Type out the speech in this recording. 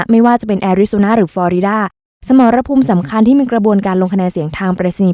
ไม่ว่าจะเป็นแอร์ริสุน่าหรือฟอริดาสมรภูมิสำคัญที่มีกระบวนการลงคะแนนเสียงทางปริศนีย์